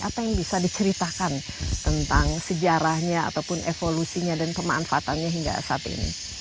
apa yang bisa diceritakan tentang sejarahnya ataupun evolusinya dan pemanfaatannya hingga saat ini